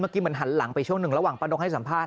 เหมือนหันหลังไปช่วงหนึ่งระหว่างป้านกให้สัมภาษณ